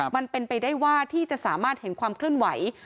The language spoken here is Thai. มันเป็นไปได้ว่าที่จะสามารถเห็นความเคลื่อนไหว